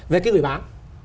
về cái người bán